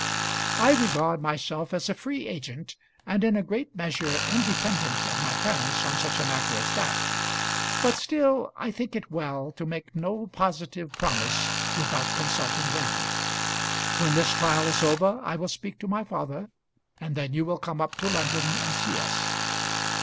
I regard myself as a free agent, and in a great measure independent of my parents on such a matter as that; but still I think it well to make no positive promise without consulting them. When this trial is over I will speak to my father, and then you will come up to London and see us.